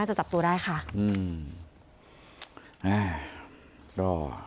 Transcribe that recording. ประตู๓ครับ